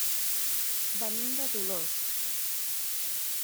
Venim de Dolors.